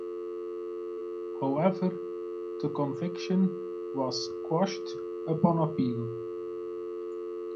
However, the conviction was quashed upon appeal.